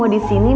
adi dan rifki